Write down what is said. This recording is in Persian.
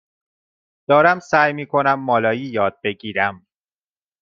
دارم سعی می کنم مالایی یاد بگیرم.